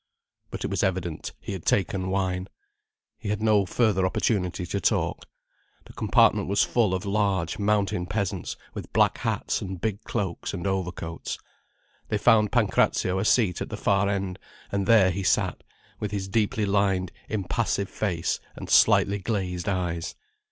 But it was evident he had taken wine. He had no further opportunity to talk. The compartment was full of large, mountain peasants with black hats and big cloaks and overcoats. They found Pancrazio a seat at the far end, and there he sat, with his deeply lined, impassive face and slightly glazed eyes.